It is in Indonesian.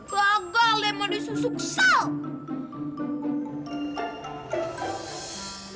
gagal ya mandi susu ksal